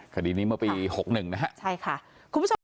คดีนี้เมื่อปี๖๑นะฮะคุณผู้ชม